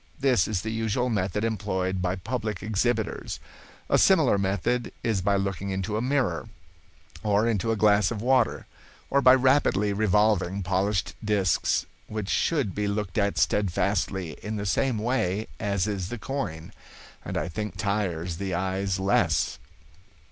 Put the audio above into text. This is the usual method employed by public exhibitors. A similar method is by looking into a mirror, or into a glass of water, or by rapidly revolving polished disks, which should be looked at steadfastly in the same way as is the coin, and I think tires the eyes less.